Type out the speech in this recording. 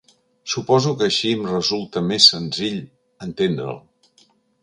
Suposo que així em resulta més senzill entendre'l.